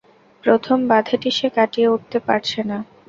প্রথম বাধাটি সে কাটিয়ে উঠতে পারছে না।